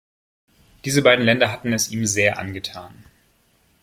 Diese beiden Länder hatten es ihm sehr angetan.